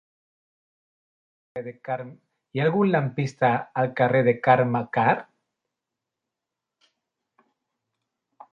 Hi ha algun lampista al carrer de Carme Karr?